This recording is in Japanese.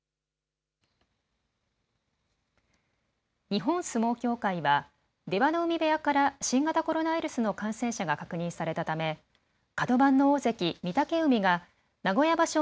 日本相撲協会は出羽海部屋から新型コロナウイルスの感染者が確認されたため角番の大関・御嶽海が名古屋場所